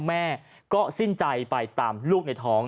แม่ก็สิ้นใจไปตามลูกในท้อง